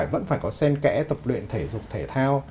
vẫn phải có sen kẽ tập luyện thể dục thể thao